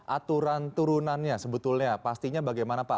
aturan turunannya sebetulnya pastinya bagaimana pak